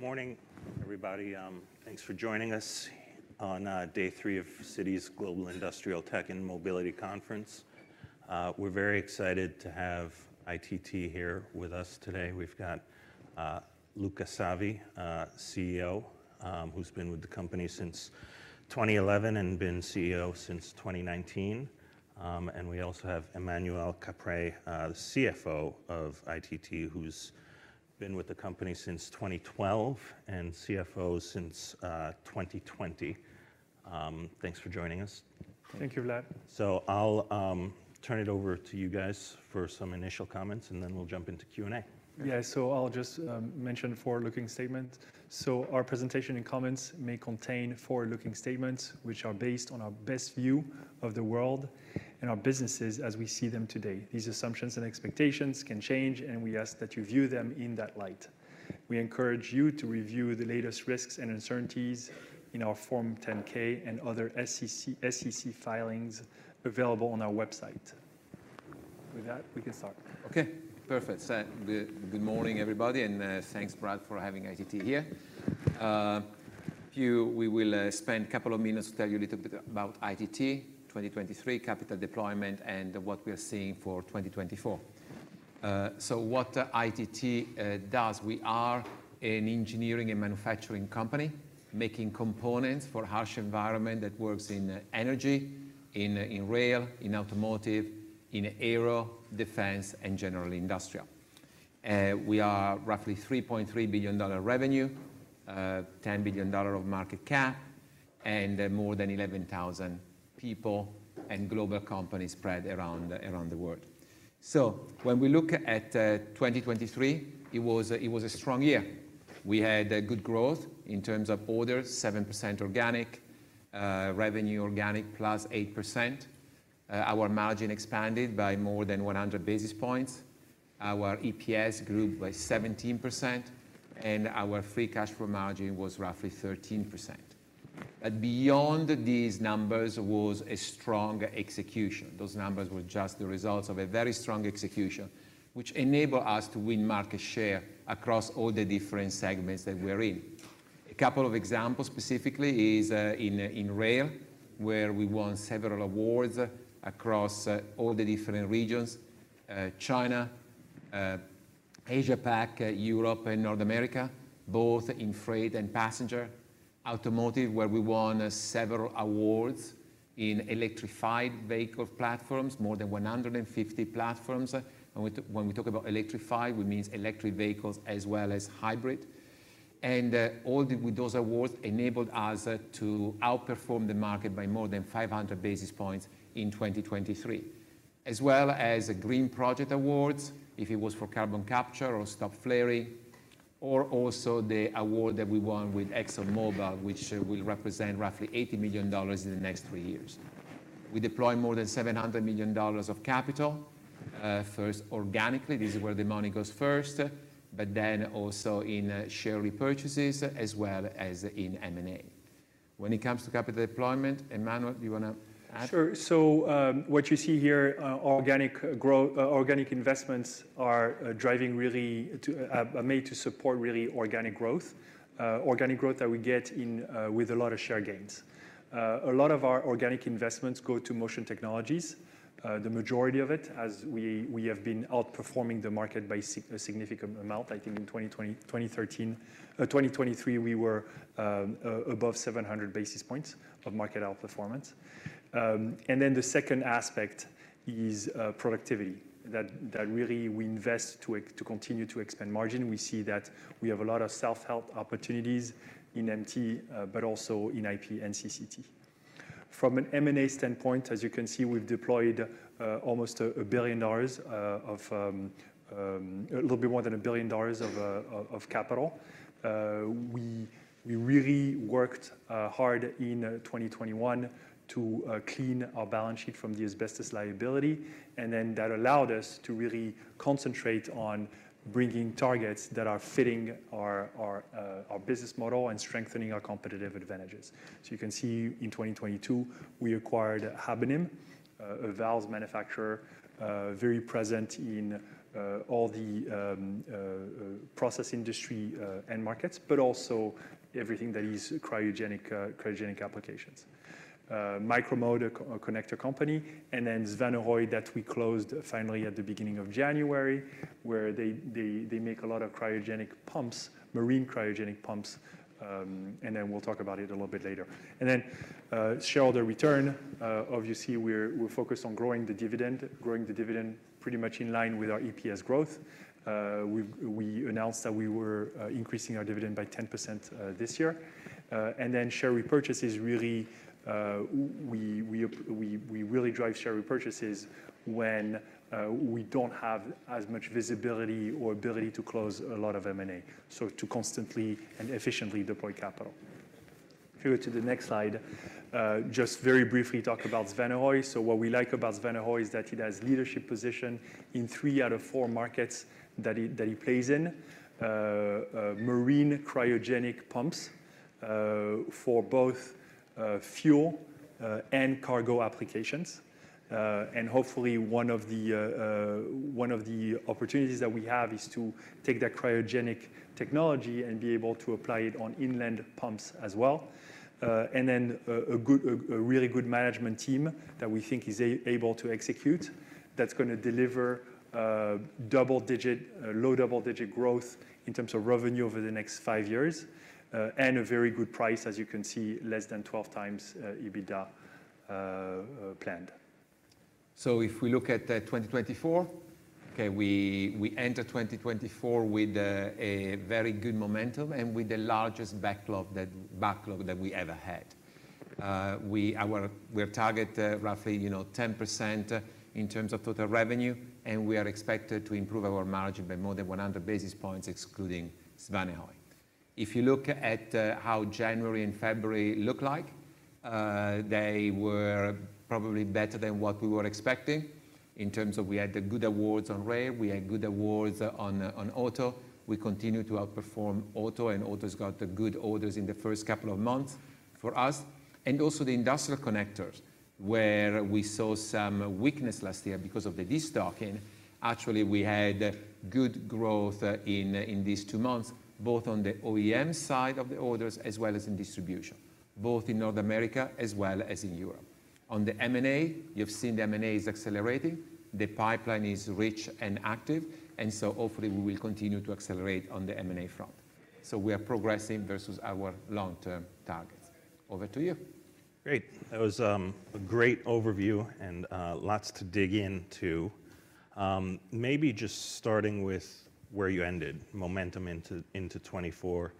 Good morning, everybody. Thanks for joining us on day three of Citi's Global Industrial Tech and Mobility Conference. We're very excited to have ITT here with us today. We've got Luca Savi, CEO, who's been with the company since 2011, and been CEO since 2019. We also have Emmanuel Caprais, CFO of ITT, who's been with the company since 2012, and CFO since 2020. Thanks for joining us. Thank you, Vlad. I'll turn it over to you guys for some initial comments, and then we'll jump into Q&A. Yeah. So I'll just mention forward-looking statement. So our presentation and comments may contain forward-looking statements, which are based on our best view of the world and our businesses as we see them today. These assumptions and expectations can change, and we ask that you view them in that light. We encourage you to review the latest risks and uncertainties in our Form 10-K and other SEC filings available on our website. With that, we can start. Okay, perfect. So, good morning, everybody, and thanks, Vlad, for having ITT here. We will spend a couple of minutes to tell you a little bit about ITT 2023 capital deployment and what we are seeing for 2024. So what ITT does, we are an engineering and manufacturing company, making components for harsh environment that works in energy, in rail, in automotive, in aero, defense, and general industrial. We are roughly $3.3 billion revenue, $10 billion of market cap, and more than 11,000 people and global companies spread around the world. So when we look at 2023, it was a strong year. We had a good growth in terms of orders, 7% organic, revenue organic +8%. Our margin expanded by more than 100 basis points. Our EPS grew by 17%, and our free cash flow margin was roughly 13%. But beyond these numbers was a strong execution. Those numbers were just the results of a very strong execution, which enable us to win market share across all the different segments that we're in. A couple of examples, specifically, is in rail, where we won several awards across all the different regions: China, Asia Pac, Europe, and North America, both in freight and passenger. Automotive, where we won several awards in electrified vehicle platforms, more than 150 platforms. And when we talk about electrified, we means electric vehicles as well as hybrid. All those awards enabled us to outperform the market by more than 500 basis points in 2023, as well as a Green Project Awards, if it was for carbon capture or stop flaring, or also the award that we won with ExxonMobil, which will represent roughly $80 million in the next three years. We deploy more than $700 million of capital, first organically, this is where the money goes first, but then also in share repurchases as well as in M&A. When it comes to capital deployment, Emmanuel, do you wanna add? Sure. So, what you see here, organic investments are driving really to made to support really organic growth, organic growth that we get in with a lot of share gains. A lot of our organic investments go to Motion Technologies. The majority of it, as we have been outperforming the market by a significant amount. I think in 2020, 2013, 2023, we were above 700 basis points of market outperformance. And then the second aspect is productivity, that really we invest to continue to expand margin. We see that we have a lot of self-help opportunities in MT, but also in IP and CCT. From an M&A standpoint, as you can see, we've deployed almost $1 billion of... A little bit more than $1 billion of capital. We really worked hard in 2021 to clean our balance sheet from the asbestos liability, and then that allowed us to really concentrate on bringing targets that are fitting our business model and strengthening our competitive advantages. So you can see in 2022, we acquired Habonim, a valves manufacturer, very present in all the process industry end markets, but also everything that is cryogenic, cryogenic applications. Micro-Mode, a connector company, and then Svanehøj that we closed finally at the beginning of January, where they make a lot of cryogenic pumps, marine cryogenic pumps, and then we'll talk about it a little bit later. Shareholder return, obviously, we're focused on growing the dividend, growing the dividend pretty much in line with our EPS growth. We announced that we were increasing our dividend by 10%, this year. And then share repurchases, really, we really drive share repurchases when we don't have as much visibility or ability to close a lot of M&A, so to constantly and efficiently deploy capital. If you go to the next slide, just very briefly talk about Svanehøj. So what we like about Svanehøj is that it has leadership position in three out of four markets that it plays in. Marine cryogenic pumps for both fuel and cargo applications. Hopefully one of the opportunities that we have is to take that cryogenic technology and be able to apply it on inland pumps as well. And then a good, really good management team that we think is able to execute, that's gonna deliver low double digit growth in terms of revenue over the next five years. And a very good price, as you can see, less than 12 times EBITDA planned. So if we look at 2024, okay, we enter 2024 with a very good momentum and with the largest backlog that we ever had. We are target roughly, you know, 10% in terms of total revenue, and we are expected to improve our margin by more than 100 basis points, excluding Svanehøj. If you look at how January and February look like, they were probably better than what we were expecting in terms of we had the good awards on rail, we had good awards on auto. We continued to outperform auto, and auto's got the good orders in the first couple of months for us. And also the industrial connectors, where we saw some weakness last year because of the destocking. Actually, we had good growth in these two months, both on the OEM side of the orders as well as in distribution, both in North America as well as in Europe. On the M&A, you've seen the M&A is accelerating. The pipeline is rich and active, and so hopefully we will continue to accelerate on the M&A front. So we are progressing versus our long-term targets. Over to you. Great. That was a great overview and lots to dig into. Maybe just starting with where you ended, momentum into 2024.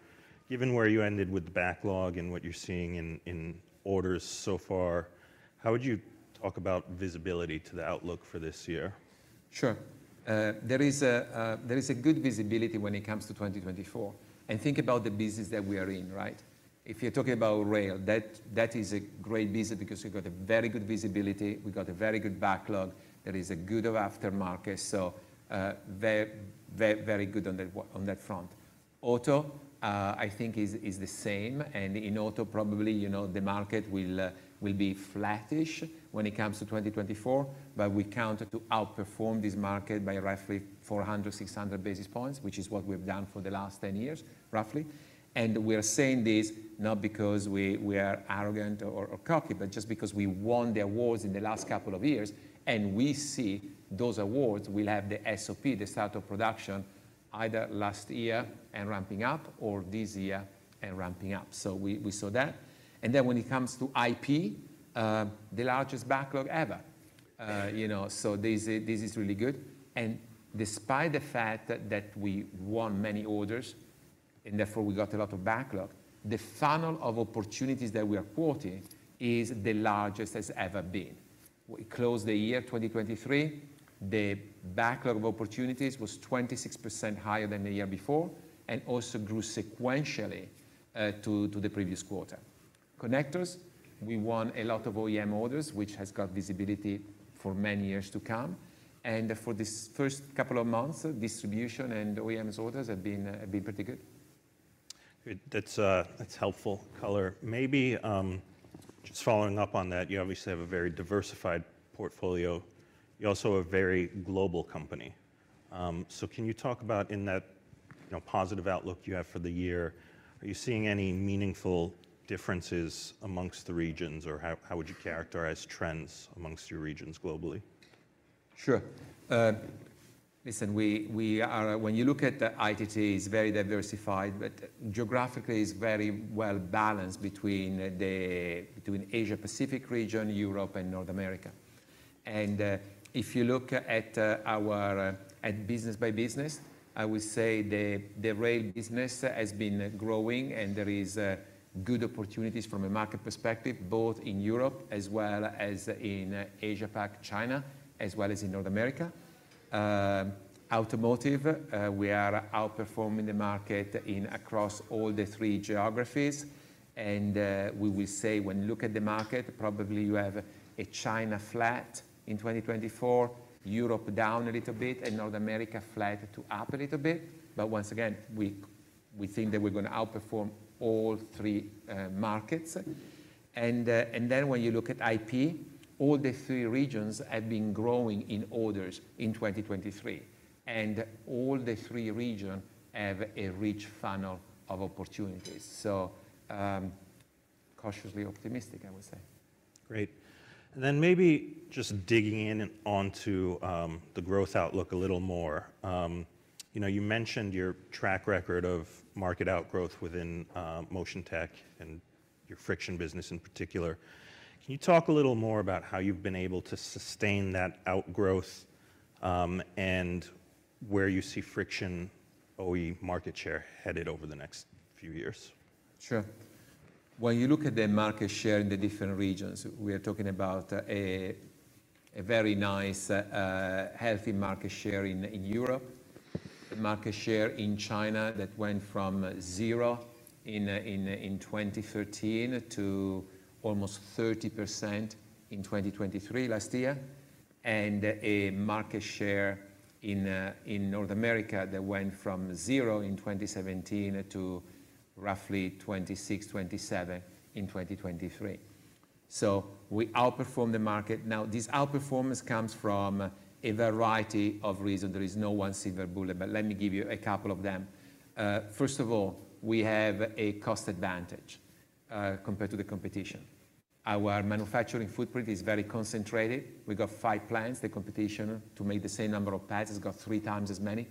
Given where you ended with the backlog and what you're seeing in orders so far, how would you talk about visibility to the outlook for this year? Sure. There is a good visibility when it comes to 2024. And think about the business that we are in, right? If you're talking about rail, that is a great businRbecause we've got a very good visibility, we got a very good backlog, there is a good aftermarket. So, very, very, very good on that front. Auto, I think is the same, and in auto, probably, you know, the market will be flattish when it comes to 2024, but we continue to outperform this market by roughly 400-600 basis points, which is what we've done for the last 10 years, roughly. We are saying this not because we, we are arrogant or, or cocky, but just because we won the awards in the last couple of years, and we see those awards will have the SOP, the start of production, either last year and ramping up or this year and ramping up. So we, we saw that. And then when it comes to IP, the largest backlog ever, you know, so this is, this is really good. And despite the fact that, that we won many orders, and therefore we got a lot of backlog, the funnel of opportunities that we are quoting is the largest it's ever been. We closed the year 2023, the backlog of opportunities was 26% higher than the year before and also grew sequentially to the previous quarter. Connectors, we won a lot of OEM orders, which has got visibility for many years to come. And for this first couple of months, distribution and OEMs orders have been, been pretty good. Good. That's helpful color. Maybe just following up on that, you obviously have a very diversified portfolio. You're also a very global company. So can you talk about in that, you know, positive outlook you have for the year, are you seeing any meaningful differences among the regions, or how would you characterize trends among your regions globally? Sure. Listen, we are... When you look at the ITT, it's very diversified, but geographically, it's very well balanced between the, between Asia Pacific region, Europe, and North America. And if you look at our at business by business, I would say the rail business has been growing, and there is good opportunities from a market perspective, both in Europe as well as in Asia-Pac, China, as well as in North America. Automotive, we are outperforming the market in across all the three geographies, and we will say when you look at the market, probably you have a China flat in 2024, Europe down a little bit, and North America flat to up a little bit. But once again, we think that we're gonna outperform all three markets. And then when you look at IP, all the three regions have been growing in orders in 2023, and all the three region have a rich funnel of opportunities. So, cautiously optimistic, I would say. Great. And then maybe just digging in onto the growth outlook a little more. You know, you mentioned your track record of market outgrowth within Motion Tech and your Friction business in particular. Can you talk a little more about how you've been able to sustain that outgrowth, and where you see Friction OE market share headed over the next few years? Sure. When you look at the market share in the different regions, we are talking about a very nice healthy market share in Europe, market share in China that went from zero in 2013 to almost 30% in 2023 last year, and a market share in North America that went from zero in 2017 to roughly 26-27 in 2023. So we outperform the market. Now, this outperformance comes from a variety of reasons. There is no one silver bullet, but let me give you a couple of them. First of all, we have a cost advantage compared to the competition. Our manufacturing footprint is very concentrated. We got five plants. The competition, to make the same number of pads, has got three times as many.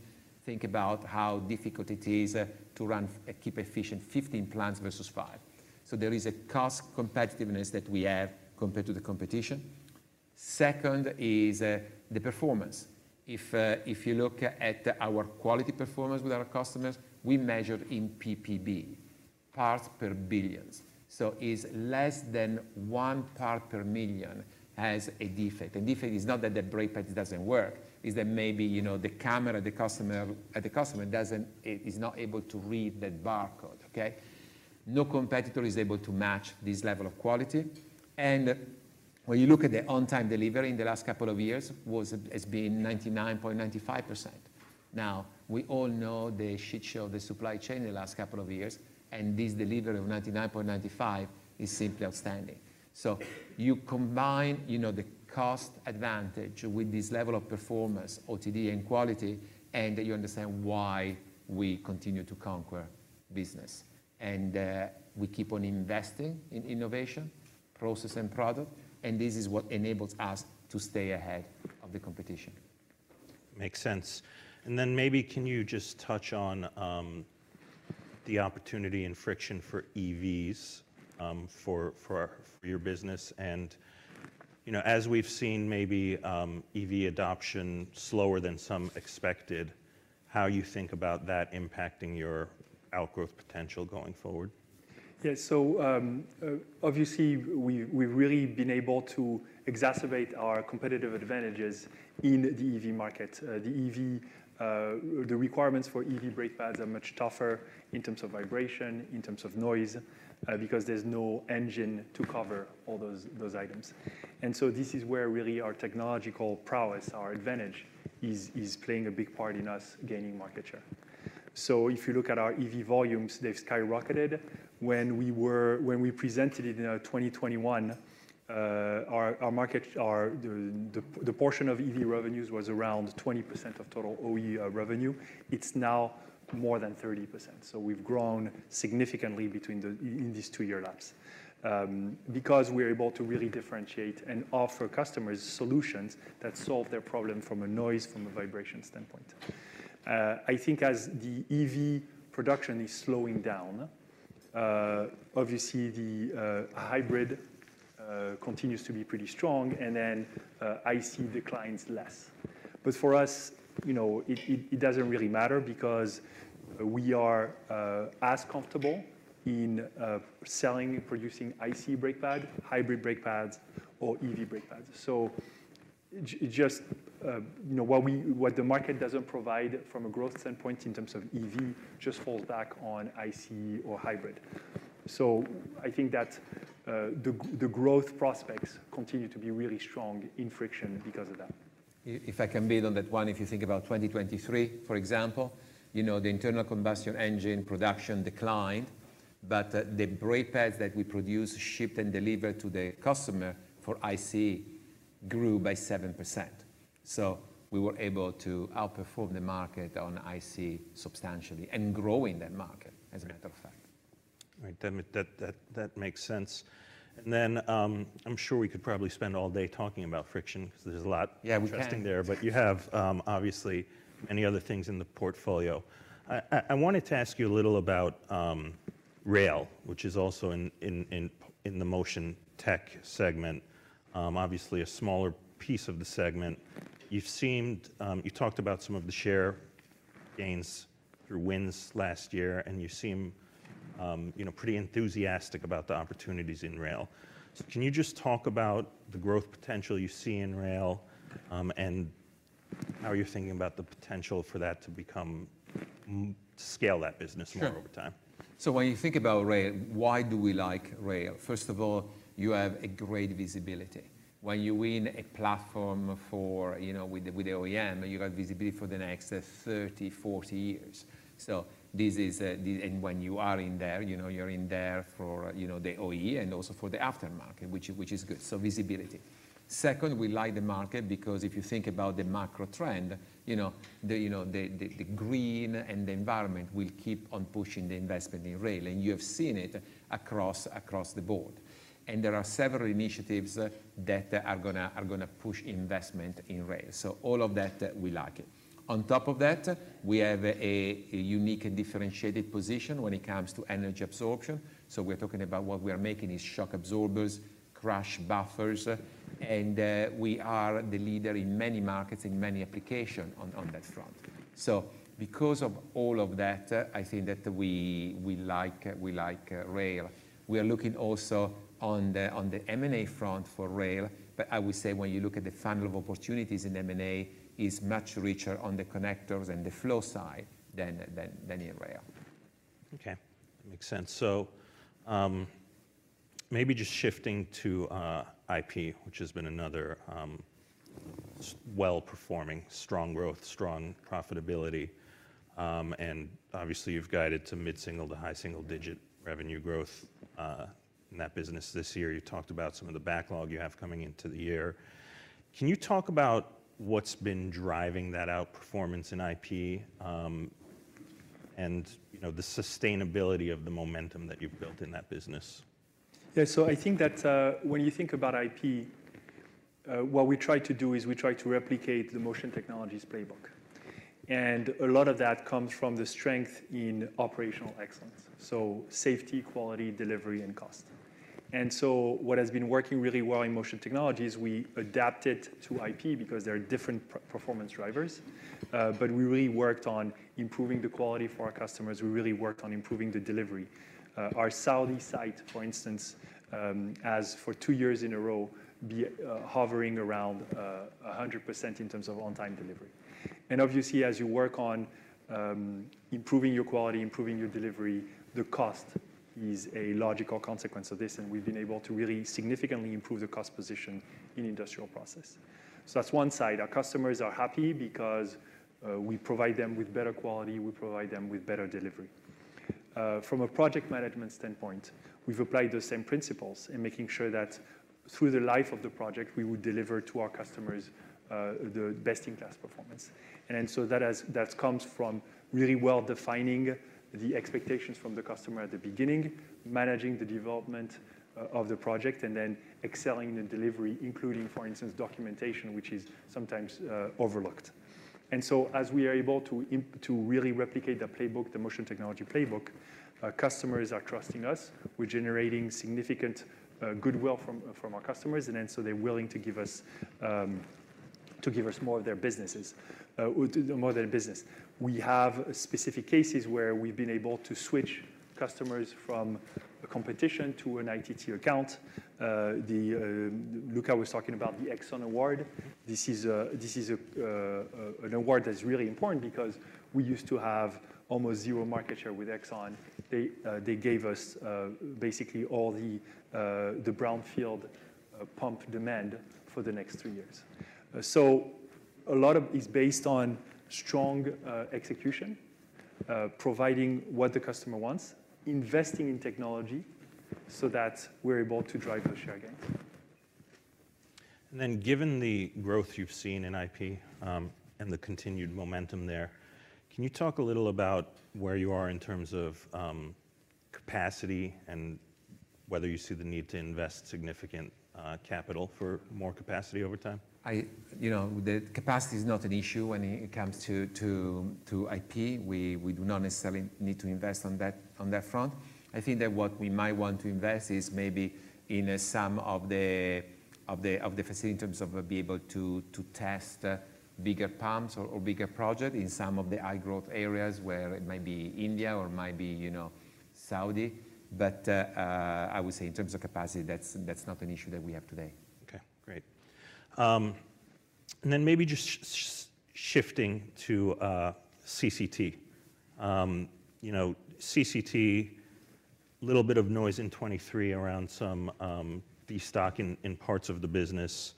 Think about how difficult it is to run and keep efficient 15 plants versus five. So there is a cost competitiveness that we have compared to the competition. Second is the performance. If you look at our quality performance with our customers, we measured in ppb, parts per billion. So is less than one part per million has a defect. A defect is not that the brake pad doesn't work, is that maybe, you know, the camera, the customer at the customer doesn't is not able to read the barcode, okay? No competitor is able to match this level of quality. And when you look at the on-time delivery in the last couple of years, has been 99.95%. Now, we all know the shit show of the supply chain in the last couple of years, and this delivery of 99.95% is simply outstanding. So you combine, you know, the cost advantage with this level of performance, OTD and quality, and you understand why we continue to conquer business. And, we keep on investing in innovation, process and product, and this is what enables us to stay ahead of the competition. Makes sense. Then maybe can you just touch on the opportunity and Friction for EVs for your business? You know, as we've seen, maybe EV adoption slower than some expected, how you think about that impacting your outgrowth potential going forward. Yeah. So, obviously, we've really been able to exacerbate our competitive advantages in the EV market. The EV requirements for EV brake pads are much tougher in terms of vibration, in terms of noise, because there's no engine to cover all those items. And so this is where really our technological prowess, our advantage, is playing a big part in us gaining market share. So if you look at our EV volumes, they've skyrocketed. When we presented it in 2021, our market, the portion of EV revenues was around 20% of total OE revenue. It's now more than 30%. So we've grown significantly between the... In these two-year lapse, because we're able to really differentiate and offer customers solutions that solve their problem from a noise, from a vibration standpoint. I think as the EV production is slowing down, obviously the hybrid continues to be pretty strong, and then IC declines less. But for us, you know, it doesn't really matter because we are as comfortable in selling and producing IC brake pad, hybrid brake pads, or EV brake pads. So just, you know, what the market doesn't provide from a growth standpoint in terms of EV, just falls back on IC or hybrid. So I think that the growth prospects continue to be really strong in Friction because of that. If I can build on that one, if you think about 2023, for example, you know, the internal combustion engine production declined, but the brake pads that we produced, shipped, and delivered to the customer for IC grew by 7%. So we were able to outperform the market on IC substantially and grow in that market, as a matter of fact. Right. That, that, that makes sense. And then, I'm sure we could probably spend all day talking about Friction because there's a lot- Yeah, we can. Interesting there, but you have, obviously, many other things in the portfolio. I wanted to ask you a little about rail, which is also in the motion tech segment. Obviously a smaller piece of the segment. You've seemed... You talked about some of the share gains through wins last year, and you seem, you know, pretty enthusiastic about the opportunities in rail. So can you just talk about the growth potential you see in rail, and how you're thinking about the potential for that to become scale that business- Sure more over time? So when you think about rail, why do we like rail? First of all, you have a great visibility. When you win a platform for, you know, with the OEM, you have visibility for the next 30, 40 years. So this is. And when you are in there, you know, you're in there for, you know, the OE and also for the aftermarket, which is good. So visibility. Second, we like the market because if you think about the macro trend, you know, the green and the environment will keep on pushing the investment in rail, and you have seen it across the board. And there are several initiatives that are gonna push investment in rail. So all of that, we like it. On top of that, we have a unique and differentiated position when it comes to energy absorption. So we're talking about what we are making is shock absorbers, crash buffers, and we are the leader in many markets, in many applications on that front. So because of all of that, I think that we like rail. We are looking also on the M&A front for rail, but I would say when you look at the funnel of opportunities in M&A, is much richer on the connectors and the flow side than in rail. Okay, makes sense. So, maybe just shifting to, IP, which has been another, well-performing, strong growth, strong profitability. And obviously, you've guided to mid-single to high single-digit revenue growth, in that business this year. You talked about some of the backlog you have coming into the year. Can you talk about what's been driving that outperformance in IP, and, you know, the sustainability of the momentum that you've built in that business? Yeah. So I think that, when you think about IP, what we try to do is we try to replicate the Motion Technologies playbook. And a lot of that comes from the strength in operational excellence, so safety, quality, delivery, and cost. And so what has been working really well in Motion Technologies, we adapted to IP because there are different performance drivers. But we really worked on improving the quality for our customers. We really worked on improving the delivery. Our Saudi site, for instance, has for two years in a row been hovering around 100% in terms of on-time delivery. And obviously, as you work on improving your quality, improving your delivery, the cost is a logical consequence of this, and we've been able to really significantly improve the cost position in industrial process. So that's one side. Our customers are happy because we provide them with better quality, we provide them with better delivery. From a project management standpoint, we've applied those same principles in making sure that through the life of the project, we would deliver to our customers the best-in-class performance. And so that comes from really well defining the expectations from the customer at the beginning, managing the development of the project, and then excelling in delivery, including, for instance, documentation, which is sometimes overlooked. And so as we are able to really replicate the playbook, the Motion Technologies playbook, our customers are trusting us. We're generating significant goodwill from our customers, and then so they're willing to give us more of their businesses, more their business. We have specific cases where we've been able to switch customers from a competition to an ITT account. The Luca was talking about the Exxon award. This is an award that's really important because we used to have almost zero market share with Exxon. They gave us basically all the the brownfield pump demand for the next three years. So a lot of is based on strong execution providing what the customer wants, investing in technology so that we're able to drive our share gain. And then, given the growth you've seen in IP, and the continued momentum there, can you talk a little about where you are in terms of capacity and whether you see the need to invest significant capital for more capacity over time? You know, the capacity is not an issue when it comes to IP. We do not necessarily need to invest on that front. I think that what we might want to invest is maybe in some of the facility in terms of be able to test bigger pumps or bigger project in some of the high-growth areas, where it might be India or might be, you know, Saudi. But I would say in terms of capacity, that's not an issue that we have today. Okay, great. Then maybe just shifting to CCT. You know, CCT, little bit of noise in 2023 around some destocking in parts of the business.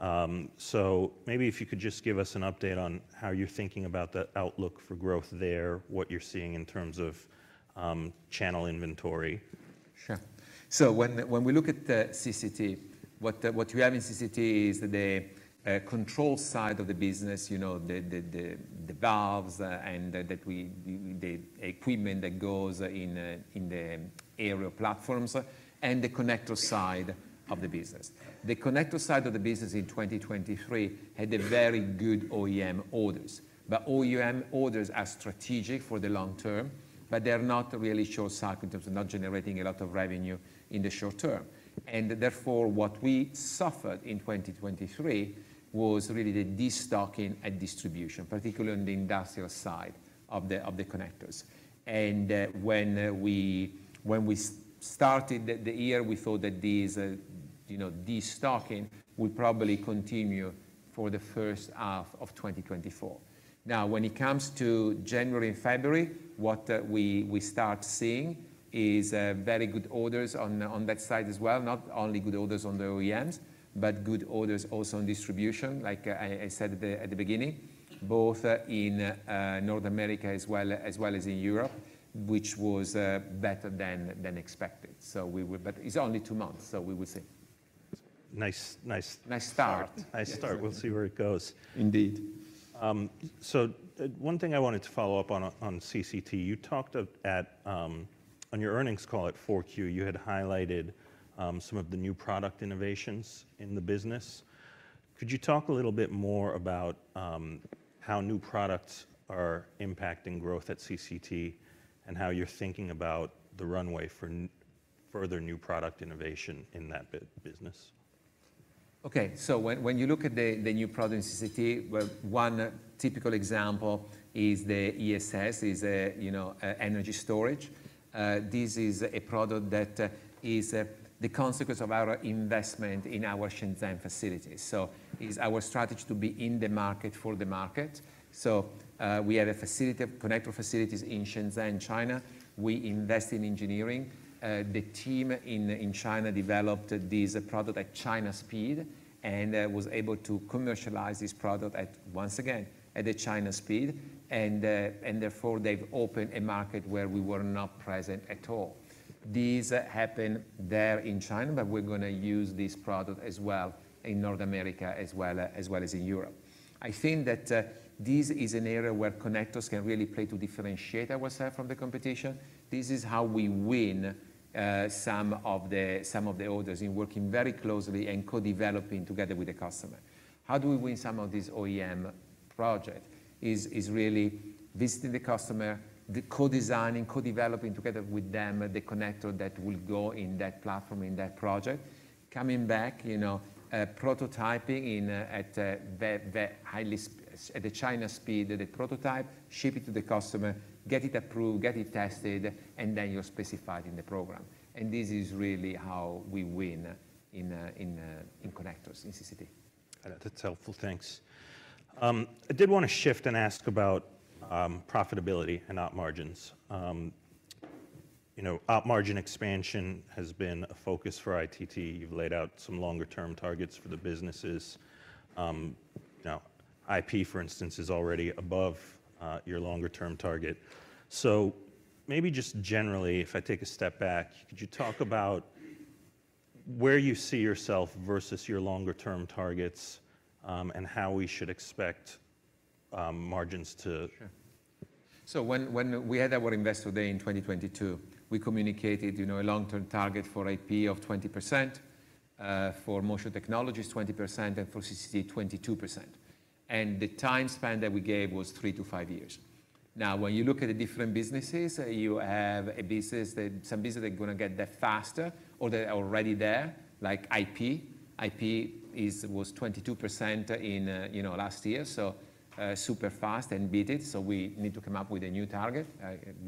So maybe if you could just give us an update on how you're thinking about the outlook for growth there, what you're seeing in terms of channel inventory. Sure. So when we look at the CCT, what we have in CCT is the control side of the business, you know, the valves and the equipment that goes in the aerial platforms, and the connector side of the business. The connector side of the business in 2023 had very good OEM orders. But OEM orders are strategic for the long term, but they're not really short cycle in terms of not generating a lot of revenue in the short term. And therefore, what we suffered in 2023 was really the destocking at distribution, particularly on the industrial side of the connectors. And when we started the year, we thought that these, you know, destocking would probably continue for the H1 of 2024. Now, when it comes to January and February, what we start seeing is very good orders on that side as well. Not only good orders on the OEMs, but good orders also on distribution, like I said at the beginning, both in North America as well as in Europe, which was better than expected. So we will- but it's only two months, so we will see. Nice, nice- Nice start. Nice start. Yes. We'll see where it goes. Indeed. So, one thing I wanted to follow up on CCT. You talked on your earnings call at 4Q. You had highlighted some of the new product innovations in the business. Could you talk a little bit more about how new products are impacting growth at CCT and how you're thinking about the runway for further new product innovation in that business?... Okay, so when you look at the new product in CCT, well, one typical example is the ESS, is a, you know, a energy storage. This is a product that is the consequence of our investment in our Shenzhen facilities. So is our strategy to be in the market for the market. So, we have a facility, connector facilities in Shenzhen, China. We invest in engineering. The team in China developed this product at China speed, and was able to commercialize this product at, once again, at the China speed. And therefore, they've opened a market where we were not present at all. This happened there in China, but we're gonna use this product as well in North America, as well, as well as in Europe. I think that this is an area where connectors can really play to differentiate ourselves from the competition. This is how we win some of the orders, in working very closely and co-developing together with the customer. How do we win some of these OEM projects? It is really visiting the customer, the co-designing, co-developing together with them, the connector that will go in that platform, in that project. Coming back, you know, prototyping at the China speed, the prototype, ship it to the customer, get it approved, get it tested, and then you're specified in the program. And this is really how we win in connectors, in CCT. That's helpful. Thanks. I did wanna shift and ask about, profitability and op margins. You know, op margin expansion has been a focus for ITT. You've laid out some longer term targets for the businesses. Now, IP, for instance, is already above, your longer term target. So maybe just generally, if I take a step back, could you talk about where you see yourself versus your longer term targets, and how we should expect, margins to? Sure. So when we had our Investor Day in 2022, we communicated, you know, a long-term target for IP of 20%, for Motion Technologies, 20%, and for CCT, 22%. And the time span that we gave was 3-5 years. Now, when you look at the different businesses, some business are gonna get there faster or they're already there, like IP. IP is, was 22% in, you know, last year, so, super fast and beat it, so we need to come up with a new target.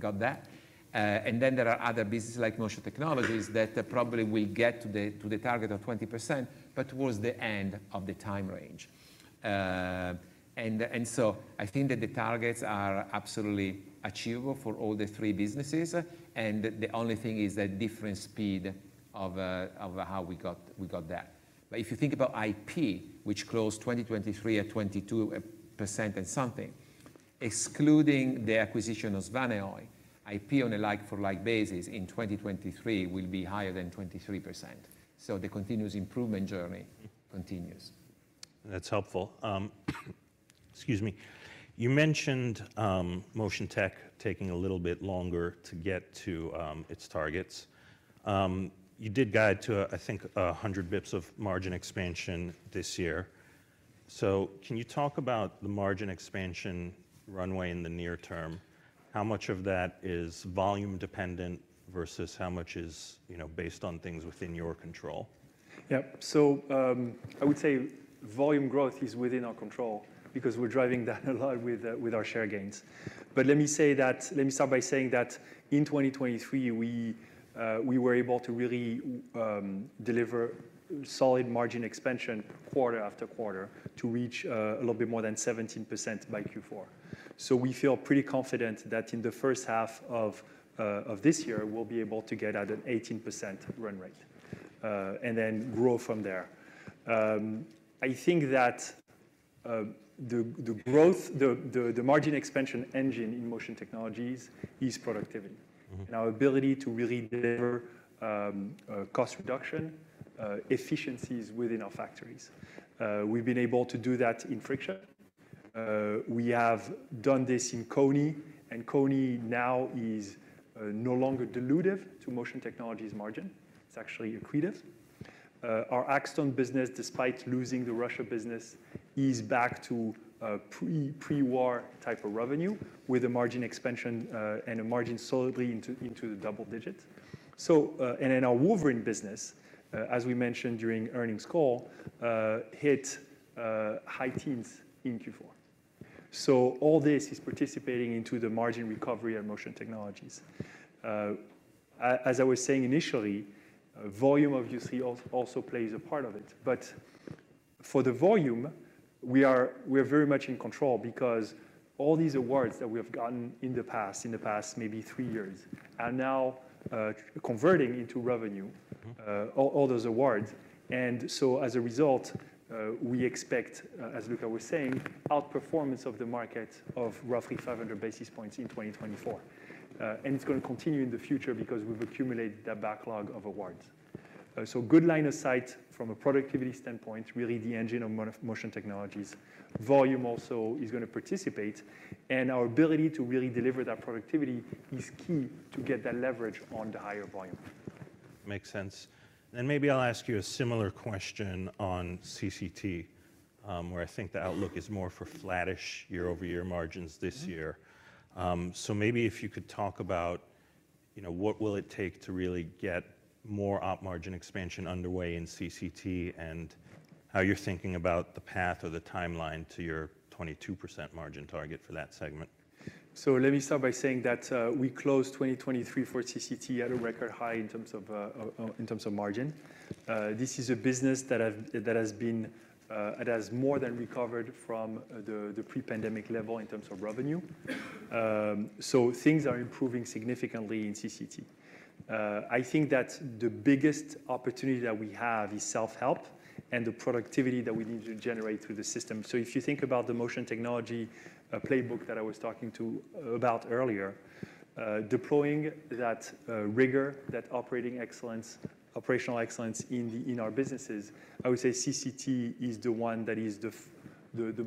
Got that. And then there are other businesses like Motion Technologies that probably will get to the, to the target of 20%, but towards the end of the time range. And so I think that the targets are absolutely achievable for all the three businesses, and the only thing is the different speed of how we got that. But if you think about IP, which closed 2023 at 22% and something, excluding the acquisition of Svanehøj, IP on a like-for-like basis in 2023 will be higher than 23%. So the continuous improvement journey continues. That's helpful. Excuse me. You mentioned Motion Tech taking a little bit longer to get to its targets. You did guide to, I think, 100 basis points of margin expansion this year. So can you talk about the margin expansion runway in the near term? How much of that is volume dependent versus how much is, you know, based on things within your control? Yeah. So, I would say volume growth is within our control because we're driving that a lot with our share gains. But let me say that, let me start by saying that in 2023, we were able to really deliver solid margin expansion quarter after quarter to reach a little bit more than 17% by Q4. So we feel pretty confident that in the H1 of this year, we'll be able to get at an 18% run rate, and then grow from there. I think that the growth, the margin expansion engine in Motion Technologies is productivity- Mm-hmm... and our ability to really deliver, cost reduction, efficiencies within our factories. We've been able to do that in Friction. We have done this in KONI, and KONI now is no longer dilutive to Motion Technologies' margin. It's actually accretive. Our Axtone business, despite losing the Russia business, is back to pre-war type of revenue, with a margin expansion, and a margin solidly into the double digits. So, and in our Wolverine business, as we mentioned during earnings call, hit high teens in Q4. So all this is participating into the margin recovery at Motion Technologies. As I was saying initially, volume obviously also plays a part of it, but for the volume, we're very much in control because all these awards that we have gotten in the past, in the past maybe three years, are now converting into revenue- Mm-hmm... all, all those awards. And so as a result, we expect, as Luca was saying, outperformance of the market of roughly 500 basis points in 2024. And it's gonna continue in the future because we've accumulated that backlog of awards. So good line of sight from a productivity standpoint, really the engine of Motion Technologies. Volume also is gonna participate, and our ability to really deliver that productivity is key to get that leverage on the higher volume. Makes sense. Then maybe I'll ask you a similar question on CCT, where I think the outlook is more for flattish year-over-year margins this year. Mm-hmm. Maybe if you could talk about, you know, what it will take to really get more op margin expansion underway in CCT, and how you're thinking about the path or the timeline to your 22% margin target for that segment? So let me start by saying that, we closed 2023 for CCT at a record high in terms of margin. This is a business that has been, it has more than recovered from the pre-pandemic level in terms of revenue. So things are improving significantly in CCT. I think that the biggest opportunity that we have is self-help and the productivity that we need to generate through the system. So if you think about the Motion Technology playbook that I was talking about earlier, deploying that rigor, that operating excellence, operational excellence in our businesses, I would say CCT is the one that is the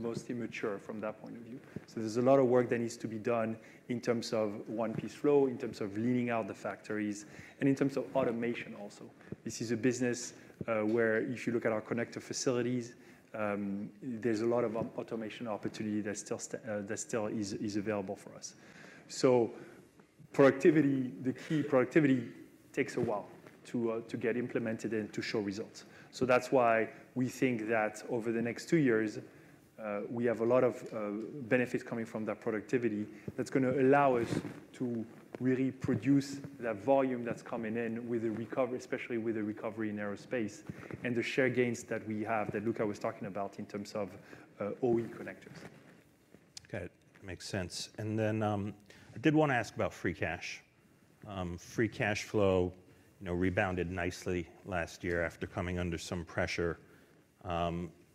most immature from that point of view. So there's a lot of work that needs to be done in terms of one-piece flow, in terms of leaning out the factories, and in terms of automation also. This is a business where if you look at our connector facilities, there's a lot of automation opportunity that still is available for us. So productivity, the key productivity takes a while to get implemented and to show results. So that's why we think that over the next two years, we have a lot of benefits coming from that productivity. That's gonna allow us to really produce the volume that's coming in with a recovery, especially with a recovery in aerospace, and the share gains that we have, that Luca was talking about, in terms of OE connectors. Okay, makes sense. And then, I did want to ask about free cash. Free cash flow, you know, rebounded nicely last year after coming under some pressure.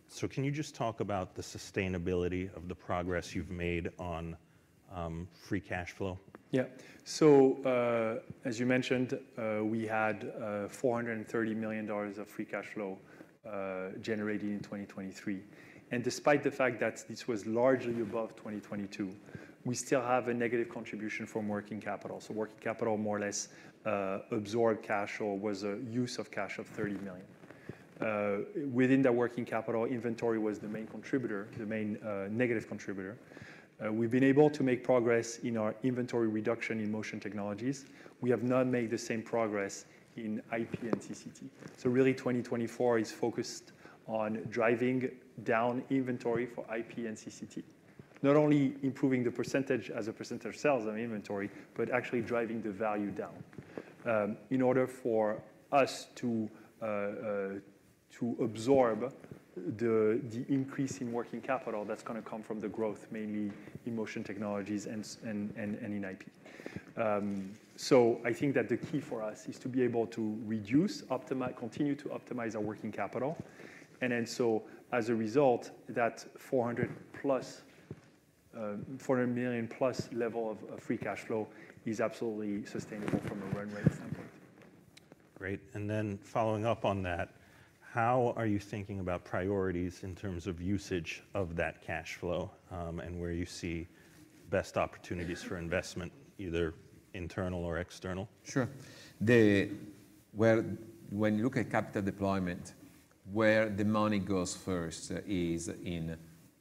So can you just talk about the sustainability of the progress you've made on, free cash flow? Yeah. So, as you mentioned, we had $430 million of free cash flow generated in 2023. Despite the fact that this was largely above 2022, we still have a negative contribution from working capital. So working capital more or less absorbed cash or was a use of cash of $30 million. Within the working capital, inventory was the main contributor, the main negative contributor. We've been able to make progress in our inventory reduction in Motion Technologies. We have not made the same progress in IP and CCT. So really, 2024 is focused on driving down inventory for IP and CCT. Not only improving the percentage as a percentage of sales and inventory, but actually driving the value down, in order for us to absorb the increase in working capital that's gonna come from the growth, mainly in Motion Technologies and in IP. So I think that the key for us is to be able to reduce, continue to optimize our working capital, and then so as a result, that 400+, $400 million+ level of free cash flow is absolutely sustainable from a run rate standpoint. Great. Then following up on that, how are you thinking about priorities in terms of usage of that cash flow, and where you see best opportunities for investment, either internal or external? Sure. Where, when you look at capital deployment, where the money goes first is in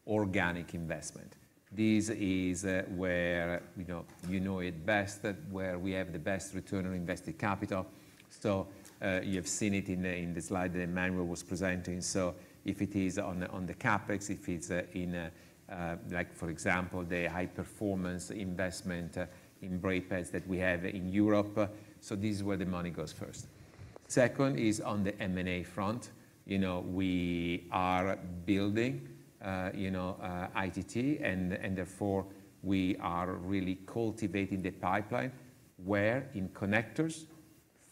organic investment. This is where, you know, you know it best, where we have the best return on invested capital. So, you have seen it in the slide that Emmanuel was presenting. So if it is on the CapEx, if it's, like for example, the high performance investment in brake pads that we have in Europe, so this is where the money goes first. Second, is on the M&A front. You know, we are building, you know, ITT, and therefore, we are really cultivating the pipeline, where in connectors,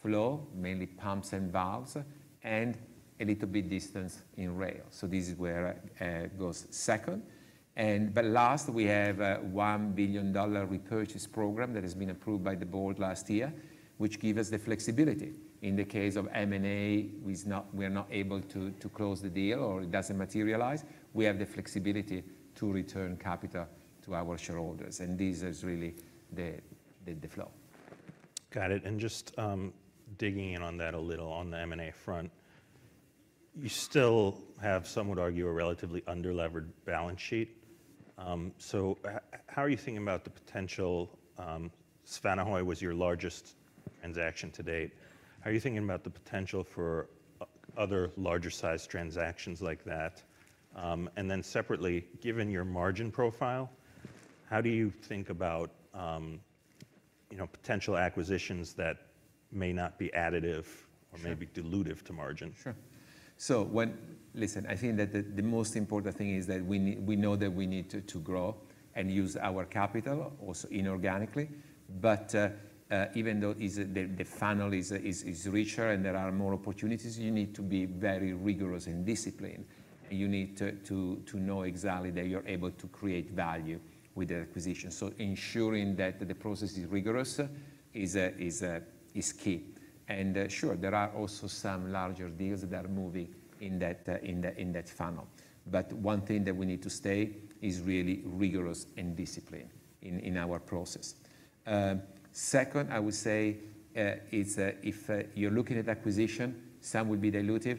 flow, mainly pumps and valves, and a little bit distance in rail. So this is where it goes second. Last, we have a $1 billion repurchase program that has been approved by the board last year, which give us the flexibility. In the case of M&A, we are not able to close the deal or it doesn't materialize, we have the flexibility to return capital to our shareholders, and this is really the flow. Got it. And just digging in on that a little on the M&A front, you still have, some would argue, a relatively under-levered balance sheet. So how are you thinking about the potential, Svanehøj was your largest transaction to date. How are you thinking about the potential for other larger-sized transactions like that? And then separately, given your margin profile, how do you think about, you know, potential acquisitions that may not be additive- Sure... or may be dilutive to margin? Sure. So when... Listen, I think that the most important thing is that we we know that we need to grow and use our capital, also inorganically. But even though the funnel is richer and there are more opportunities, you need to be very rigorous and disciplined. You need to know exactly that you're able to create value with the acquisition. So ensuring that the process is rigorous is key. And sure, there are also some larger deals that are moving in that funnel. But one thing that we need to stay is really rigorous and disciplined in our process. Second, I would say, is if you're looking at acquisition, some would be dilutive...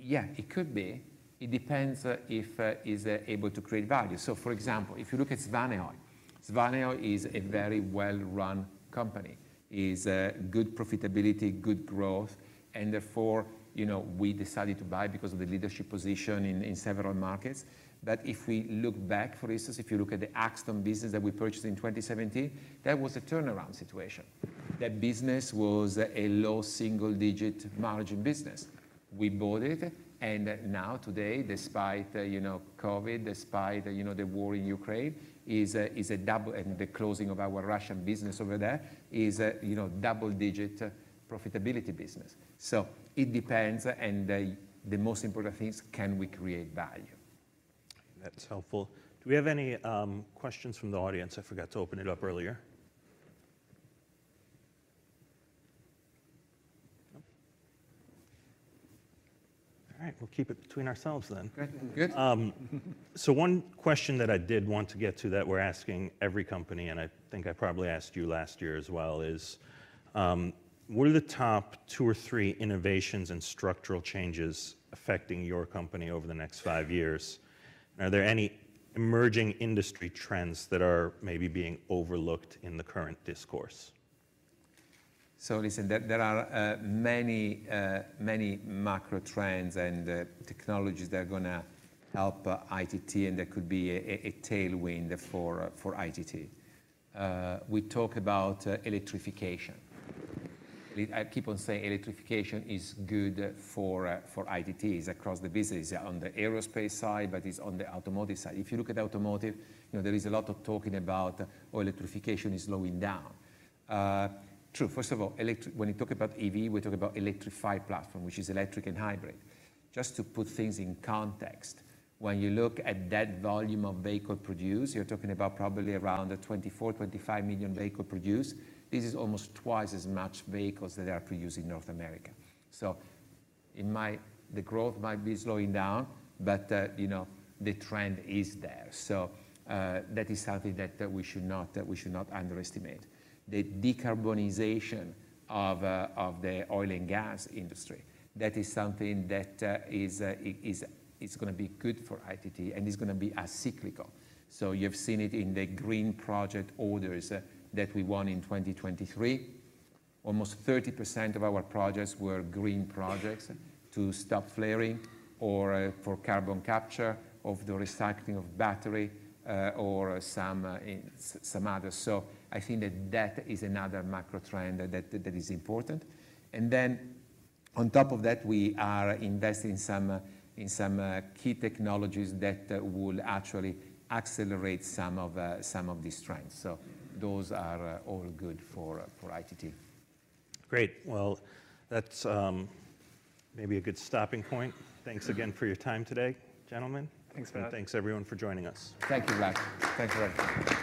Yeah, it could be. It depends if is able to create value. So, for example, if you look at Svanehøj, Svanehøj is a very well-run company, is a good profitability, good growth, and therefore, you know, we decided to buy because of the leadership position in several markets. But if we look back, for instance, if you look at the Axtone business that we purchased in 2017, that was a turnaround situation. That business was a low single-digit margin business. We bought it, and now today, despite, you know, COVID, despite, you know, the war in Ukraine, is a, is a double, and the closing of our Russian business over there, is a, you know, double-digit profitability business. So it depends, and the most important thing is, can we create value? That's helpful. Do we have any questions from the audience? I forgot to open it up earlier. No. All right, we'll keep it between ourselves then. Great. Good. So one question that I did want to get to that we're asking every company, and I think I probably asked you last year as well, is: What are the top two or three innovations and structural changes affecting your company over the next five years? Are there any emerging industry trends that are maybe being overlooked in the current discourse? So listen, there are many macro trends and technologies that are gonna help ITT, and that could be a tailwind for ITT. We talk about electrification. I keep on saying electrification is good for ITT across the business, on the aerospace side, but is on the automotive side. If you look at automotive, you know, there is a lot of talking about electrification is slowing down. True. First of all, elect-- when we talk about EV, we talk about electrified platform, which is electric and hybrid. Just to put things in context, when you look at that volume of vehicle produced, you're talking about probably around 24-25 million vehicle produced. This is almost twice as much vehicles that are produced in North America. So it might... The growth might be slowing down, but, you know, the trend is there. So, that is something that we should not underestimate. The decarbonization of the oil and gas industry, that is something that is gonna be good for ITT and is gonna be a cyclical. So you've seen it in the green project orders that we won in 2023. Almost 30% of our projects were green projects to stop flaring or for carbon capture, of the recycling of battery, or some others. So I think that that is another macro trend that is important. And then on top of that, we are investing in some key technologies that will actually accelerate some of these trends. Those are all good for ITT. Great. Well, that's, maybe a good stopping point. Thanks again for your time today, gentlemen. Thanks, Matt. Thanks, everyone, for joining us. Thank you, Matt. Thank you, everyone.